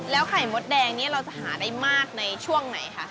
ไข่มดแดงนี้เราจะหาได้มากในช่วงไหนคะ